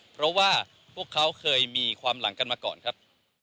เพราะว่าพวกเขาเคยมีความหลังกันมาก่อนครับ